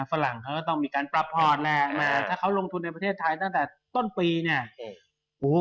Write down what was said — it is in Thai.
ฝรั่งเขาก็ต้องมีการปรับพอร์ตแหละแต่ถ้าเขาลงทุนในประเทศไทยตั้งแต่ต้นปีเนี่ย